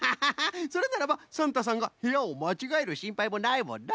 それならばサンタさんがへやをまちがえるしんぱいもないもんな。